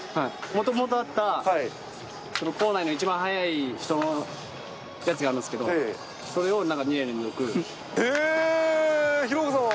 もともとあった校内の一番速い人のやつがあるんですけど、それを廣岡さんは。